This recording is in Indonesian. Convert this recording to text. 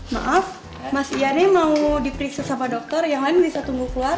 maaf mas yani mau diperiksa sama dokter yang lain bisa tunggu keluar